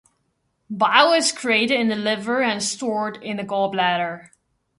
Bile is created in the liver and stored in the gall bladder.